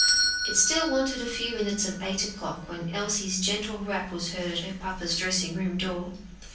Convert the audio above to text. It still wanted a few minutes of eight o'clock when Elsie's gentle rap was heard at her papa's dressing room door.